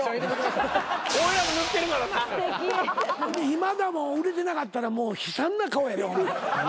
今田も売れてなかったらもう悲惨な顔やで。